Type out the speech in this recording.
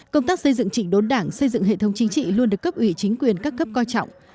công tác xây dựng chỉnh đốn đảng xây dựng hệ thống chính trị luôn được cấp ủy chính quyền các cấp coi trọng